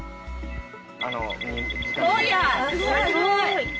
すごい！